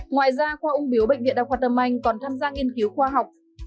ngoài ra khoa ung biếu bệnh viện đa khoa tâm anh còn tham gia nghiên cứu khoa học